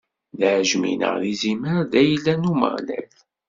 D aɛejmi neɣ d izimer, d ayla n Umeɣlal.